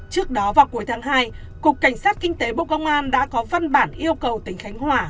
trước đó vào cuối tháng hai cục cảnh sát kinh tế bộ công an đã có văn bản yêu cầu tỉnh khánh hòa